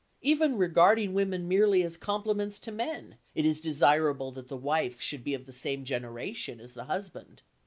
Even regarding women merely as complements to men, it is desirable that the wife should be of the same generation as the husband.